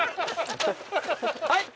はい？